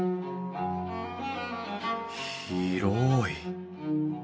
広い！